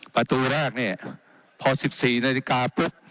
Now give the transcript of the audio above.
ประตูแรกเนี่ยพอ๑๔นาฬิกาปุ๊บ